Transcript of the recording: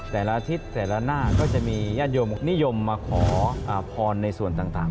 แต่ละอาทิตย์แต่ละหน้าก็จะมีญาติโยมนิยมมาขอพรในส่วนต่าง